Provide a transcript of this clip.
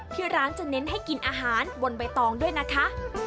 ที่ร้านจะเน้นให้กินอาหารบนใบตองด้วยนะคะ